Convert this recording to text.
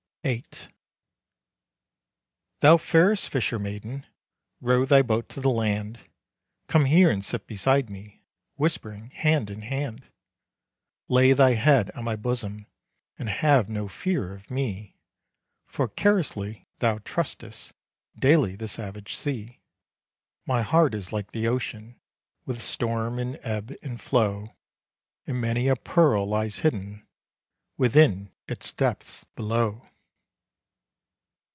VIII. Thou fairest fisher maiden, Row thy boat to the land. Come here and sit beside me, Whispering, hand in hand. Lay thy head on my bosom, And have no fear of me; For carelessly thou trustest Daily the savage sea. My heart is like the ocean, With storm and ebb and flow, And many a pearl lies hidden Within its depths below.